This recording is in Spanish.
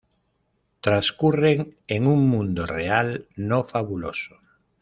Transcurren en un mundo real, no fabuloso.